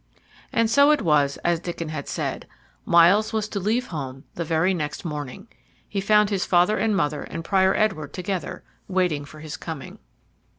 And so it was as Diccon had said; Myles was to leave home the very next morning. He found his father and mother and Prior Edward together, waiting for his coming.